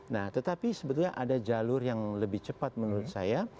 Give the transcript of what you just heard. nah tetapi sebetulnya ada jalur yang lebih cepat menurut saya